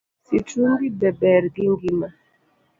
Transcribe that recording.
Sitrungi be ber gi ngima?